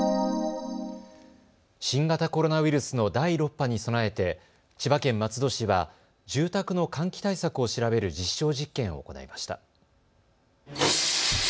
新型コロナウイルスの第６波に備えて千葉県松戸市は住宅の換気対策を調べる実証実験を行いました。